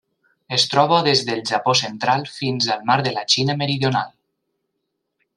Es troba des del Japó central fins al Mar de la Xina Meridional.